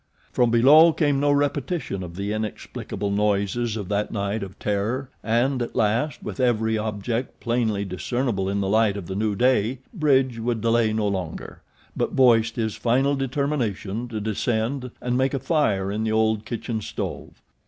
From below came no repetition of the inexplicable noises of that night of terror and at last, with every object plainly discernible in the light of the new day, Bridge would delay no longer; but voiced his final determination to descend and make a fire in the old kitchen stove.